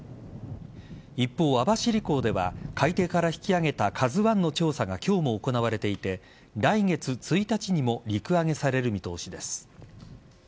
一方、網走港では海底から引き揚げた「ＫＡＺＵ１」の調査が今日も行われていて来月１日にも陸揚げされる見通しです。